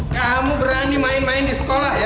kamu berani main main di sekolah ya